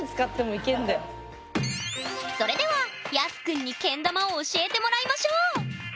それではＹＡＳＵくんにけん玉を教えてもらいましょう。